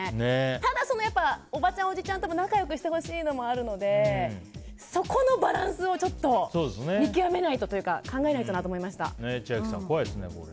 ただおばちゃん、おじちゃんとも仲良くしてほしいのもあるのでそこのバランスをちょっと見極めないとというか千秋さん、怖いですね。